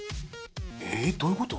えどういうこと？